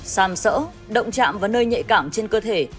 xàm sỡ động chạm vào nơi nhạy cảm trên cơ thể